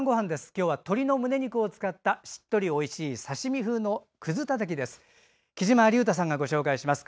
今日は、鶏のむね肉を使ったしっとりおいしい刺身風のくずたたきです。